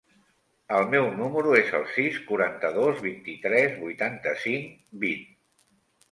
El meu número es el sis, quaranta-dos, vint-i-tres, vuitanta-cinc, vint.